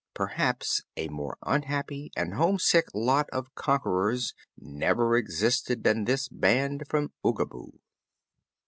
Perhaps a more unhappy and homesick lot of "conquerors" never existed than this band from Oogaboo.